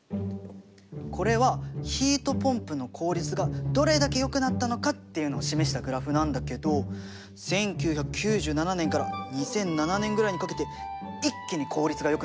これはヒートポンプの効率がどれだけよくなったのかっていうのを示したグラフなんだけど１９９７年から２００７年くらいにかけて一気に効率がよくなってるよね？